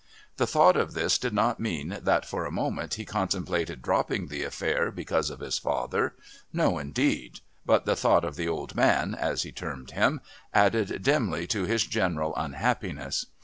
The thought of this did not mean that for a moment he contemplated dropping the affair because of his father no, indeed but the thought of the old man, as he termed him, added dimly to his general unhappiness.